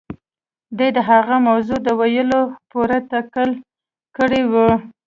دې د هغې موضوع د ويلو پوره تکل کړی و.